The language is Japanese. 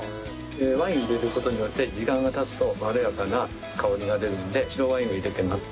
ワインを入れる事によって時間が経つとまろやかな香りが出るんで白ワインを入れてます。